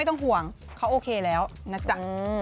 ต้องห่วงเขาโอเคแล้วนะจ๊ะ